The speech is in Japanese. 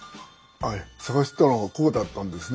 あっ探してたのはここだったんですね。